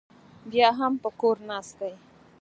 بیا هم په کور ناست دی.